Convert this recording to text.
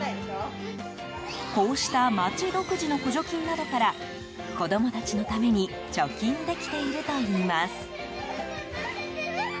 こうした町独自の補助金などから子供たちのために貯金できているといいます。